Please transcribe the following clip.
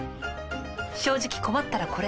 正直困ったらこれ。